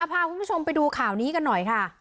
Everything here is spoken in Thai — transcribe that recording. พาคุณผู้ชมไปดูข่าวนี้กันหน่อยค่ะ